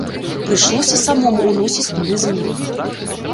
Прыйшлося самому ўносіць туды змены.